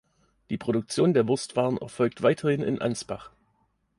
Die Produktion der Wurstwaren erfolgt weiterhin in Ansbach.